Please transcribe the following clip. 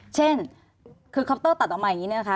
เช่นคือคอปเตอร์ตัดออกมาอย่างนี้เนี่ยนะคะ